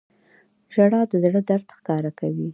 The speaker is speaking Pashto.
• ژړا د زړه درد ښکاره کوي.